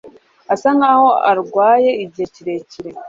Asa nkaho arwaye igihe kirekire.